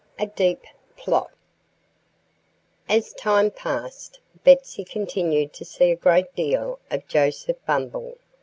XIV A DEEP PLOT AS time passed, Betsy continued to see a great deal of Joseph Bumble.